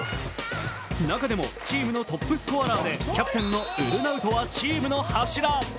中でもチームのトップスコアラーでキャプテンのウルナウトはチームの柱。